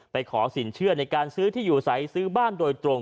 ขอสินเชื่อในการซื้อที่อยู่ใสซื้อบ้านโดยตรง